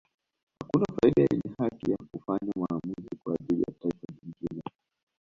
Hakuna taifa lenye haki ya kufanya maamuzi kwa ajili ya taifa jingine